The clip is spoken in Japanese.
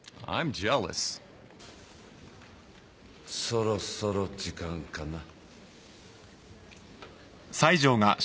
そろそろ時間かな。